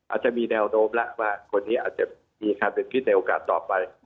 อาจจะมีแนวโน้มแล้วว่าคนนี้อาจจะมีความเป็นคิดในโอกาสต่อไป